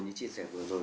như chia sẻ vừa rồi